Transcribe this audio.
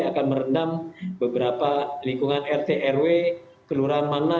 akan merendam beberapa lingkungan rt rw kelurahan mana